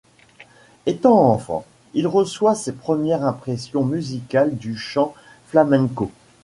Étant enfant, il reçoit ses premières impressions musicales du chant flamenco.